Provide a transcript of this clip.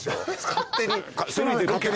勝手に。